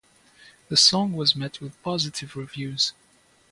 The song was met with positive reviews.